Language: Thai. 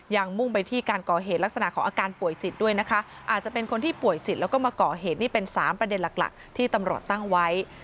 มุ่งไปที่การก่อเหตุลักษณะของอาการป่วยจิตด้วยนะคะอาจจะเป็นคนที่ป่วยจิตแล้วก็มาก่อเหตุนี่เป็น๓ประเด็นหลักหลักที่ตำรวจตั้งไว้